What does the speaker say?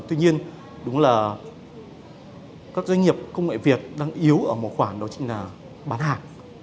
tuy nhiên đúng là các doanh nghiệp công nghệ việt đang yếu ở một khoản đó chính là bán hàng